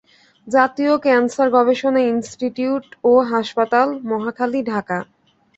জাতীয় ক্যানসার গবেষণা ইনস্টিটিউট ও হাসপাতাল, মহাখালী, ঢাকা।